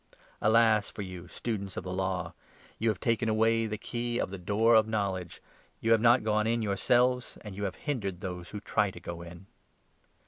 Alas for you 52 Students of the Law ! You have taken away the key of the door of Knowledge. You have not gone in yourselves and you have hindered those who try to go in."